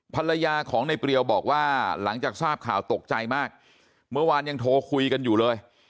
ภรรยาของในเปรียวบอกว่าหลังจากทราบข่าวตกใจมากเมื่อวานยังโทรคุยกันอยู่เลย